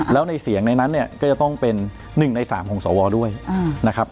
แล้วในเสียงในนั้นเนี่ยก็จะต้องเป็น๑ใน๓ของสวด้วยนะครับ